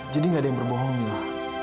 jadi gak ada yang berbohong mila